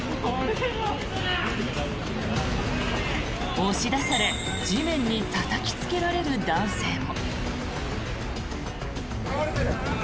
押し出され地面にたたきつけられる男性も。